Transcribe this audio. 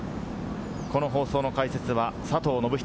この放送の解説は佐藤信人